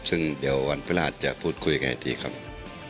ซึ่งเดี๋ยววันพฤหัสจะพูดคุยยังไงดีครับ